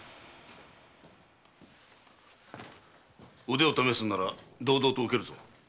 腕を試すなら堂々と受けるぞ。